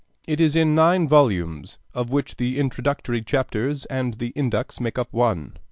It is in nine volumes, of which the introductory chapters and the index make up one.